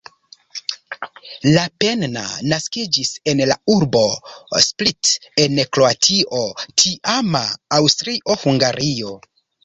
Lapenna naskiĝis en la urbo Split en Kroatio, tiama Aŭstrio-Hungario.